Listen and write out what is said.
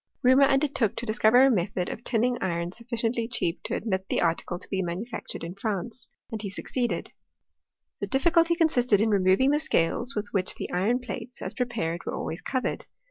Reaumur undertook to dis cover a n:et}jod of tiunins: iron suScientiv cheap to admit tlie article to be manufactured in France — and ha succeeded. The difficulty consisted in removing the scales with which the iron plates, as prepared, were alwavs covered.